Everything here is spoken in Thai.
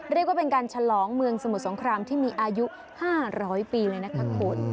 เรียกว่าเป็นการฉลองเมืองสมุทรสงครามที่มีอายุ๕๐๐ปีเลยนะคะคุณ